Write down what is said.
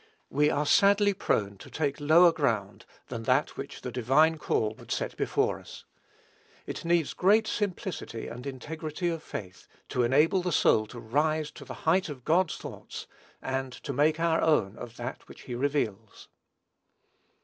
We are sadly prone to take lower ground than that which the divine call would set before us. It needs great simplicity and integrity of faith to enable the soul to rise to the height of God's thoughts, and to make our own of that which he reveals.